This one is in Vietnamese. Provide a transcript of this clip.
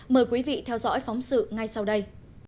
mời quý vị theo dõi phóng sự ngay sau đây